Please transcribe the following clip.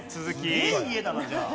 すげえ家だなじゃあ。